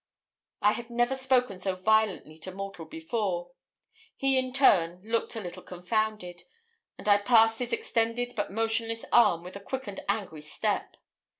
I had never spoken so violently to mortal before. He in turn looked a little confounded; and I passed his extended but motionless arm with a quick and angry step.